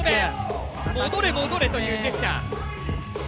「戻れ戻れ」というジェスチャー。